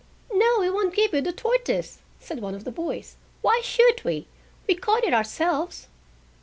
"No, we won't give you the tortoise," said one of the boys. "Why should we? We caught it ourselves."